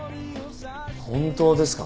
本当ですか？